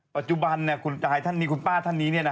ปัจจุบันคุณกายท่านนี้คุณป้าท่านนี้